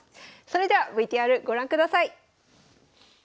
それではＶＴＲご覧ください。